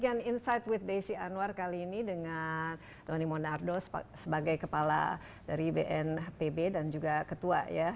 dan ya insite with desi anwar kali ini dengan doni monardo sebagai kepala dari bnpb dan juga ketua ya